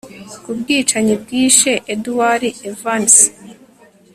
kubwicanyi bwishe edward evans